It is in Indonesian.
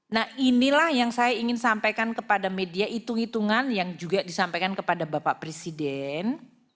nah inilah yang saya ingin sampaikan kepada media hitung hitungan yang juga disampaikan kepada bapak presiden